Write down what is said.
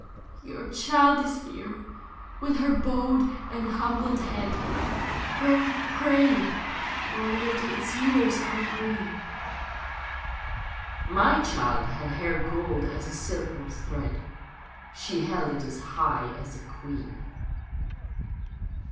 '' Your child is here, with her bowed and humbled head Grown grey while yet its years are green.' 18 JEANNE BRAS 19 ' My child had hair gold as a silkworm's thread, She held it as high as a queen.''